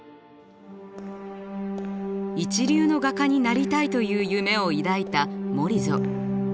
一流の画家になりたいという夢を抱いたモリゾ。